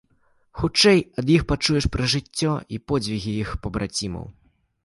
Хутчэй ад іх пачуеш пра жыццё і подзвігі іх пабрацімаў.